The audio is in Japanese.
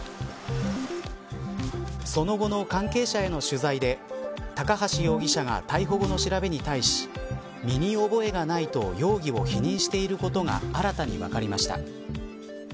その後の関係者への取材で高橋容疑者が逮捕後の調べに対し身に覚えがないと容疑を否認していることが新たに分かりました。